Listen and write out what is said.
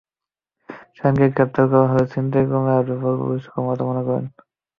শাহীনকে গ্রেপ্তার করা হলে ছিনতাই কমে আসবে বলে পুলিশ কর্মকর্তারা মনে করেন।